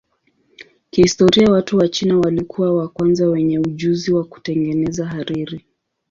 Kihistoria watu wa China walikuwa wa kwanza wenye ujuzi wa kutengeneza hariri.